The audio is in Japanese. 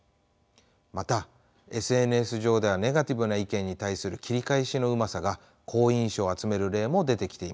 またＳＮＳ上ではネガティブな意見に対する切り返しのうまさが好印象を集める例も出てきています。